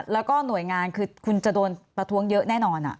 แล้วก็หน่วยงานคือคุณจะโดนประท้วงเยอะแน่นอน